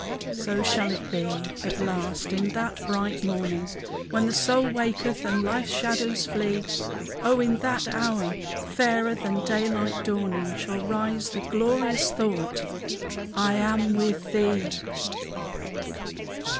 So shall it be at last, in that bright morning When the soul waketh and life's shadows flee; O in that hour, fairer than daylight dawning, Shall rise the glorious thought, I am with Thee!